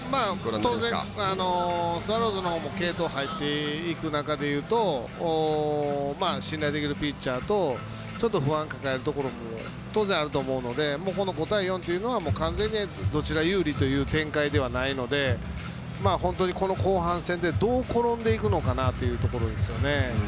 当然、スワローズのほうも継投に入っていく中で言うと信頼できるピッチャーとちょっと不安を抱えるところも当然、あると思うのでこの５対４というのは完全にどちら有利という展開ではないので本当にこの後半戦でどう転んでいくのかなというところですよね。